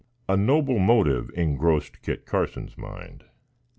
A noble motive engrossed Kit Carson's mind.